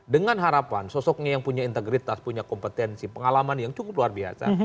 dengan harapan sosoknya yang punya integritas punya kompetensi pengalaman yang cukup luar biasa